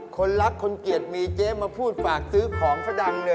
คนรักคนเกลียดมีเจ๊มาพูดฝากซื้อของซะดังเลย